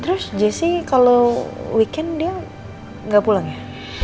terus jessy kalau weekend dia gak pulang ya